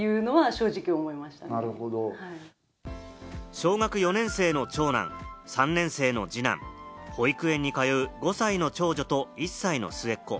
小学４年生の長男、３年生の二男、保育園に通う５歳の長女と１歳の末っ子。